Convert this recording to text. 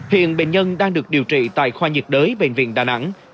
hiện bệnh nhân đang được điều trị tại khoa nhiệt đới bệnh viện đà nẵng